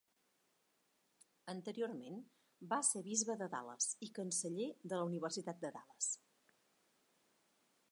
Anteriorment va ser bisbe de Dallas i canceller de la Universitat de Dallas.